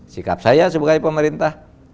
sikap saya sebagai pemerintah